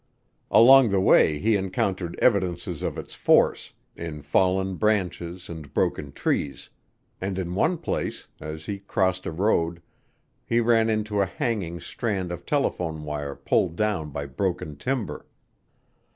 Along the way he encountered evidences of its force, in fallen branches and broken trees; and in one place, as he crossed a road, he ran into a hanging strand of telephone wire pulled down by broken timber.